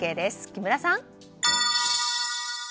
木村さん。